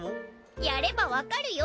やればわかるよ。